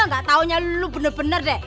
gak taunya lu bener bener deh